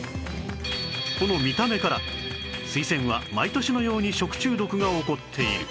この見た目からスイセンは毎年のように食中毒が起こっている